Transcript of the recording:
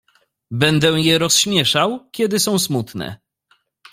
Będę je rozśmieszał, kiedy są smutne.